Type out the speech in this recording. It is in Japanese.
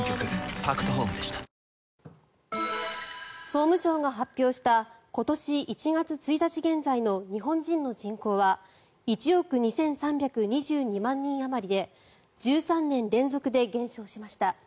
総務省が発表した今年１月１日現在の日本人の人口は１億２３２２万人あまりで１３年連続で減少しました。